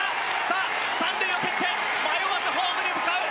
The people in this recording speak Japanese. さぁ３塁を蹴って迷わずホームに向かう。